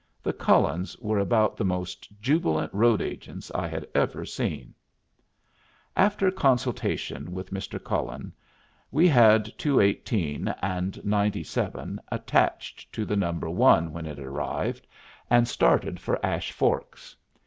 The Cullens were about the most jubilant road agents I had ever seen. After consultation with Mr. Cullen, we had 218 and 97 attached to No. 1 when it arrived, and started for Ash Forks.